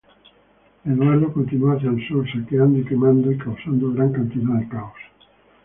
Eduardo continuó hacia el sur, saqueando y quemando y causando gran cantidad de caos.